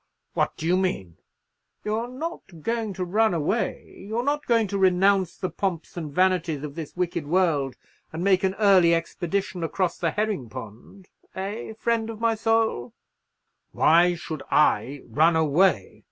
"What do you mean?" "You're not going to run away? You're not going to renounce the pomps and vanities of this wicked world, and make an early expedition across the herring pond—eh, friend of my soul?" "Why should I run away?"